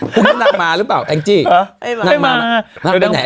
คุณนั่งมาหรือเปล่าแองจินั่งมาไหนอาทิตย์เนี่ย